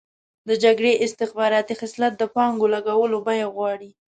د جګړې استخباراتي خصلت د پانګو لګولو بیه غواړي.